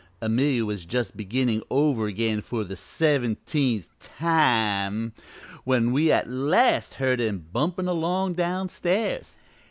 Amelia was just beginning over again for the seventeenth time when at last we heard 'em bumpin' along downstairs.